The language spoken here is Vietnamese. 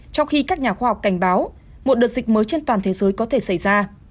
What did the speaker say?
trong khi các nhà khoa học cảnh báo một đợt dịch mới trên toàn thế giới có thể xảy ra